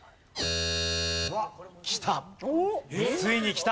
きた。